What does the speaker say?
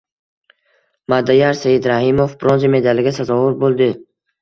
Madiyar Saidrahimov bronza medaliga sazovor bo‘lding